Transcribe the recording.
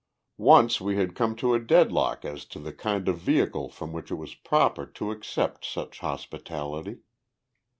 Once we had come to a deadlock as to the kind of vehicle from which it was proper to accept such hospitality.